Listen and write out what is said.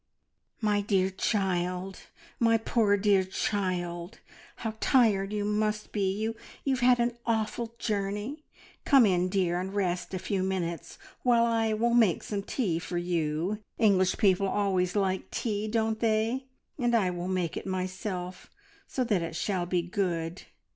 "My dear child my poor dear child, how tired you must be! You have had an awful journey. Come in, dear, and rest a few minutes while I will make some tea for you. English people always like tea, don't they? And I will make it myself, so that it shall be good.